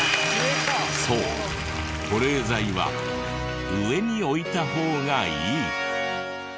そう保冷剤は上に置いた方がいい。